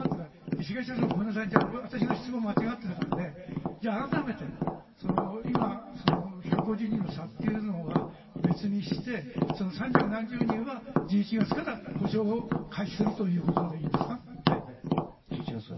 すみません、私の質問が間違っていたので、改めて、今、１５０人の差っていうのは別として三百何十人というのは１１月から補償を開始するということでいいんですか？